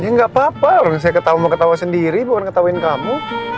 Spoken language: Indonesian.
ya nggak papa lu nggak usah mau ketawa sendiri buat ketahuin kamu